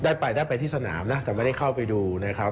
ได้ไปได้ไปที่สนามนะแต่ไม่ได้เข้าไปดูนะครับ